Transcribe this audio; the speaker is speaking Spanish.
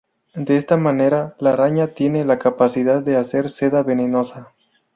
De esta manera la araña tiene la capacidad de hacer seda venenosa.